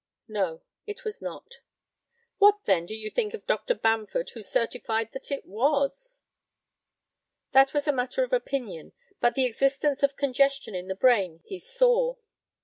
No, it was not. What, then, do you think of Dr. Bamford, who certified that it was? That was a matter of opinion; but the existence of congestion in the brain he saw.